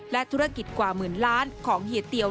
และธุรกิจกว่าหมื่นล้านของเฮียเตียว